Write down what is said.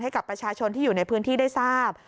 ให้กับประชาชนที่อยู่ในพื้นที่ได้ทราบ